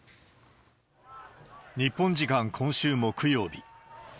日本時間今週木曜日。